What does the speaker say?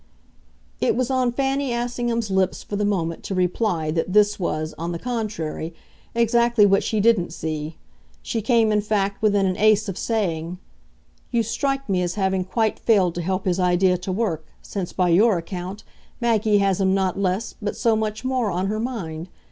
It was on Fanny Assingham's lips for the moment to reply that this was, on the contrary, exactly what she didn't see; she came in fact within an ace of saying: "You strike me as having quite failed to help his idea to work since, by your account, Maggie has him not less, but so much more, on her mind.